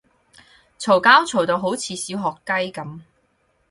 嘈交嘈到好似小學雞噉